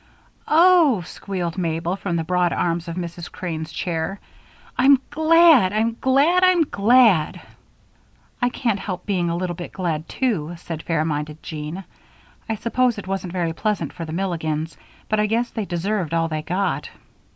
"Oh!" squealed Mabel, from the broad arm of Mrs. Crane's chair, "I'm glad! I'm glad! I'm glad!" "I can't help being a little bit glad, too," said fair minded Jean. "I suppose it wasn't very pleasant for the Milligans, but I guess they deserved all they got."